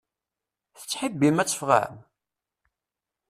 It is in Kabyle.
Tettḥibbim ad teffɣem?